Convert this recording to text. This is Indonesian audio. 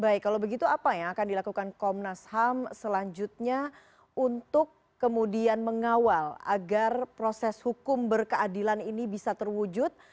baik kalau begitu apa yang akan dilakukan komnas ham selanjutnya untuk kemudian mengawal agar proses hukum berkeadilan ini bisa terwujud